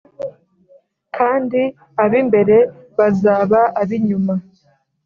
kandi ab’imbere bazaba ab’inyuma